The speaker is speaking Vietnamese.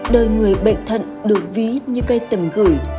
đời người bệnh thận được ví như cây tầm gửi